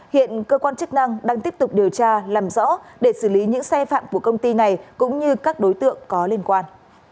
hiện cơ quan chức năng đang tiếp tục điều tra làm rõ để xử lý những sai phạm của công ty này cũng như các đối tượng có liên quan